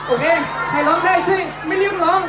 โอเคใครร้องได้ช่วยไม่รีบร้อง